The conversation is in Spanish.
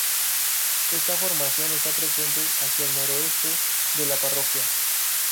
Esta formación esta presente hacia el Noroeste de la Parroquia.